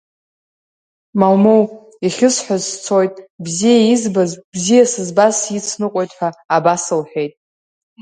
Маумоу, иахьысҳәаз сцоит, бзиа избаз, бзиа сызбаз сицныҟәоит, ҳәа абас лҳәеит.